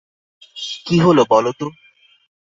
কী হল বলো তো।